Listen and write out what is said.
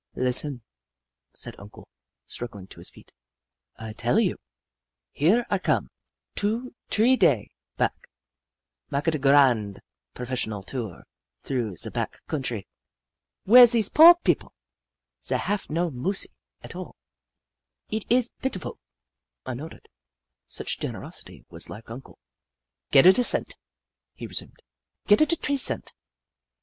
" Listen," said Uncle, struggling to his feet. " I tella you. Here I come two, tree day back. Maka da gr rand professional tour through ze back countree, where zees poor 142 The Book of Clever Beasts pipple, zey haf no moosic at all. It ees pitiful." I nodded. Such generosity was like Uncle. " Getta da cent," he resumed, " getta da tree cent.